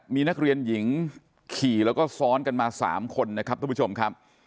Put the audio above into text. มีนักเรียนหญิงขี่แล้วก็ซ้อนกันมา๓คนนะครับทุกผู้ชมครับ